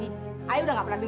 ibu nggak mau tahu dong